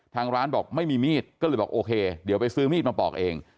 ทางร้านบอกไม่มีมีดก็เลยบอกโอเคเดี๋ยวไปซื้อมีดมาปอกเอง